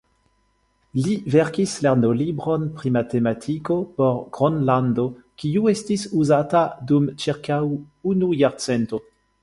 Li verkis lernolibron pri matematiko por Gronlando, kiu estis uzata dum ĉirkaŭ unu jarcento.